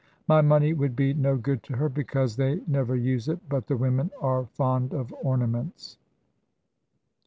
My money would be no good to her, because they never use it; but the women are fond of ornaments.